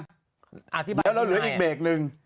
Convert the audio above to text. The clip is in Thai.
เดี๋ยวเราเหลืออีกเบรกหนึ่ง